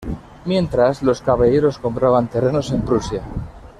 Mientras los caballeros compraban terrenos en Prusia.